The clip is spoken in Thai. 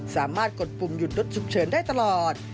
กดปุ่มหยุดรถฉุกเฉินได้ตลอด